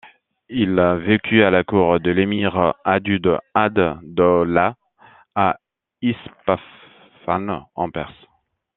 Il vécut à la cour de l'émir Adud ad-Daula à Ispahan en Perse.